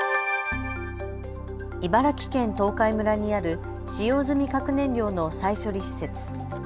茨城県東海村にある使用済み核燃料の再処理施設。